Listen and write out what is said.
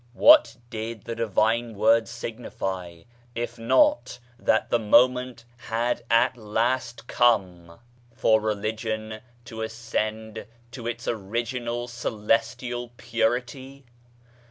What did the divine word signify, if not that the moment had at last come for religion to 1 Qnr*an, xxxiii4i 38 BAHAISM ascend to its original celestial purity